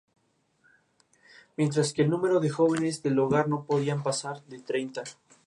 Contra: tarda bastantes segundos antes de estallar y puede dañar a Mega Man.